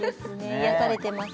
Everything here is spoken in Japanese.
癒やされてます。